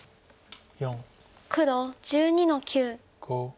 黒１２の九。